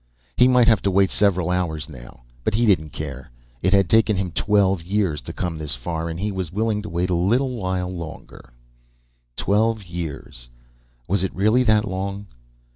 He might have to wait several hours now, but he didn't care. It had taken him twelve years to come this far, and he was willing to wait a little while longer. Twelve years. Was it really that long?